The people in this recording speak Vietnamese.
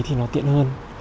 thì nó tiện hơn